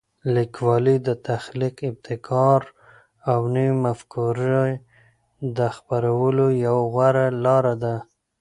لیکوالی د تخلیق، ابتکار او نوي مفکورې د خپرولو یوه غوره لاره ده.